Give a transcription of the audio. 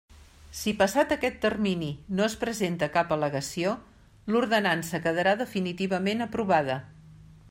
Si passat aquest termini no es presenta cap al·legació, l'Ordenança quedarà definitivament aprovada.